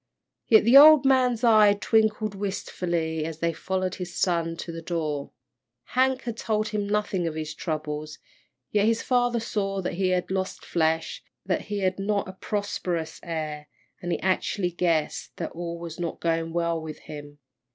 Yet the old man's eyes twinkled wistfully as they followed his son to the door. Hank had told him nothing of his troubles, yet his father saw that he had lost flesh, that he had not a prosperous air, and he acutely guessed that all was not going well with him.